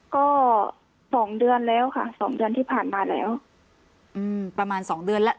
ก็สองเดือนแล้วค่ะสองเดือนที่ผ่านมาแล้วอืมประมาณสองเดือนแล้ว